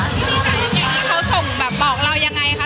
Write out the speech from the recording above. พี่จ๋าอย่างนี้เขาส่งแบบบอกเรายังไงคะ